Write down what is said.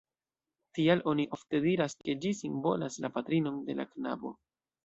Tial oni ofte diras, ke ĝi simbolas la patrinon de la knabo.